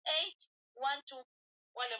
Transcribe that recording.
kwa Kireno kinaitwa Ilha de Moçambique